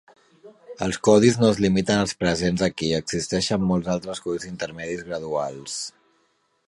Els codis no es limiten als presents aquí, existeixen molts altres codis intermedis graduals.